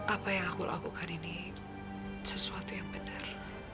apa yang aku lakukan ini sesuatu yang benar